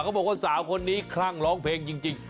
บอกว่าสาวคนนี้คลั่งร้องเพลงจริง